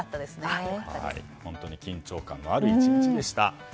本当に緊張感のある１日でした。